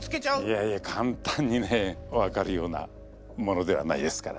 いやいや簡単にね分かるようなものではないですから。